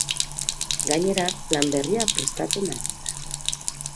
Gainera, lan berria prestatzen dabiltza.